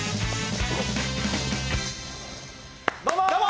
どうも。